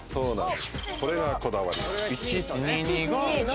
これが、こだわり。